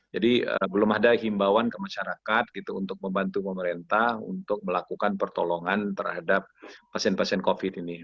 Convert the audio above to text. jadi belum ada himbauan ke masyarakat gitu untuk membantu pemerintah untuk melakukan pertolongan terhadap pasien pasien covid ini